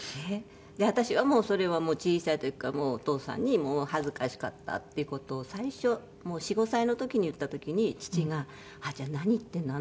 私はそれはもう小さい時からお父さんに恥ずかしかったっていう事を最初４５歳の時に言った時に父が「はーちゃん何言ってんの」